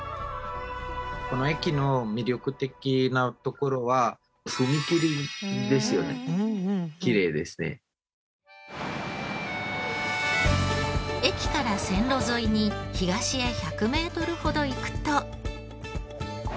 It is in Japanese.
この駅の駅から線路沿いに東へ１００メートルほど行くと。